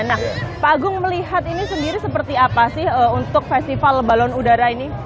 nah pak agung melihat ini sendiri seperti apa sih untuk festival balon udara ini